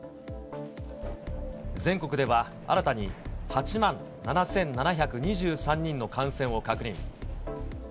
全国では、新たに８万７７２３人の感染を確認。